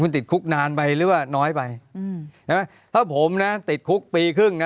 คุณติดคุกนานไปหรือว่าน้อยไปอืมใช่ไหมถ้าผมนะติดคุกปีครึ่งนะ